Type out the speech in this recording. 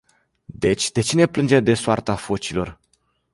Deci de ce ne plângem de soarta focilor?